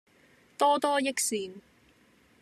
多多益善